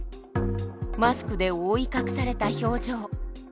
マスクで覆い隠された表情。